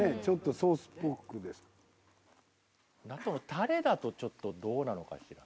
織譴世ちょっとどうなのかしら？